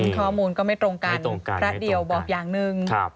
ข้อมูลก็ไม่ตรงกันพระเดี่ยวบอกอย่างหนึ่ง